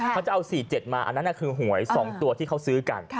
เขาจะเอา๔๗มาอันนั้นคือหวย๒ตัวที่เขาซื้อกัน